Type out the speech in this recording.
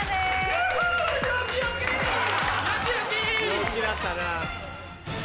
陽気だったな。